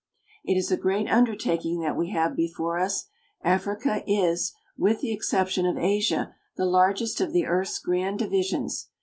It is a great undertaking that we have before us. Africa is, with the exception of Asia, the largest of the earth's grand divisions.